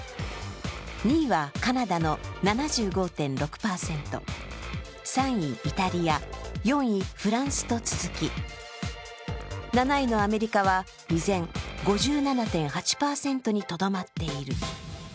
２位はカナダの７５．６％３位イタリア、４位フランスと続き７位のアメリカは依然５７．８％にとどまっている。